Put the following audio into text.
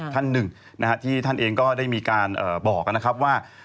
ท่านหนึ่งที่ท่านเองก็ได้มีการบอกนะครับว่า